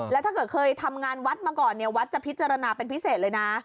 แล้วถ้าเกิดเคยทำงานวัดมาก่อนเนี่ยวัดจะพิจารณาเป็นพิเศษเลยนะ